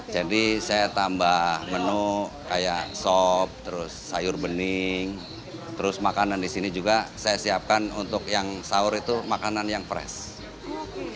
jadi saya tambah menu kayak sop terus sayur bening terus makanan di sini juga saya siapkan untuk yang sahur itu makanan yang fresh